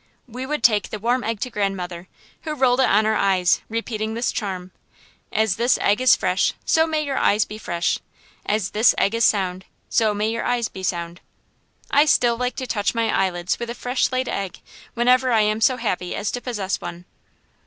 We would take the warm egg to grandmother, who rolled it on our eyes, repeating this charm: "As this egg is fresh, so may your eyes be fresh. As this egg is sound, so may your eyes be sound." I still like to touch my eyelids with a fresh laid egg, whenever I am so happy as to possess one.